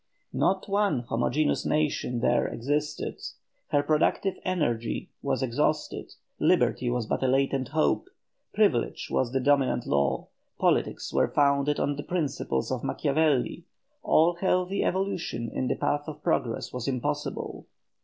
Not one homogeneous nation there existed, her productive energy was exhausted, liberty was but a latent hope, privilege was the dominant law, politics were founded on the principles of Macchiavelli, all healthy evolution in the path of progress was impossible.